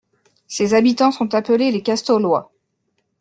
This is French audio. Ses habitants sont appelés les Castolois.